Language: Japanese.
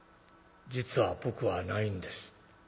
「『実は僕はないんです』。